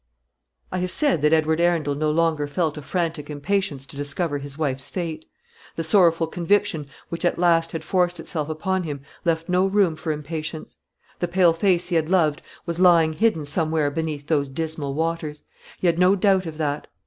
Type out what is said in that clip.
I have said that Edward Arundel no longer felt a frantic impatience to discover his wife's fate. The sorrowful conviction which at last had forced itself upon him left no room for impatience. The pale face he had loved was lying hidden somewhere beneath those dismal waters. He had no doubt of that.